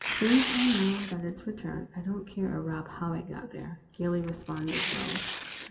" Since I know that it 's returned, I don't care a rap how it got there," gaily responded Wells.